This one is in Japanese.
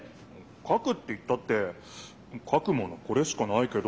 かくって言ったってかくものこれしかないけど？